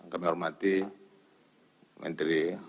kami hormati menteri